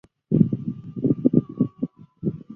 当时有三种处理方案。